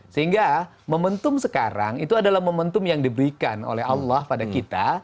sehingga momentum sekarang itu adalah momentum yang diberikan oleh allah pada kita